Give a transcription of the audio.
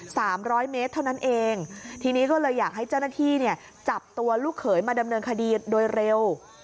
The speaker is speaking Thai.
ร้อยเมตรเท่านั้นเองทีนี้ก็เลยอยากให้เจ้าหน้าที่เนี่ยจับตัวลูกเขยมาดำเนินคดีโดยเร็ว